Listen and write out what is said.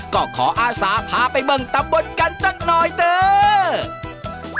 ก็ขออาศาพาไปเมิงตะบนกันจังหน่อยเถอะ